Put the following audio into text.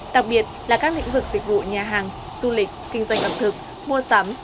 đặc biệt là các lĩnh vực dịch vụ nhà hàng du lịch kinh doanh ẩm thực mua sắm